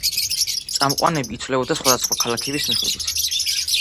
წამყვანები იცვლებოდა სხვადასხვა ქალაქის მიხედვით.